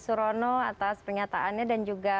surono atas pernyataannya dan juga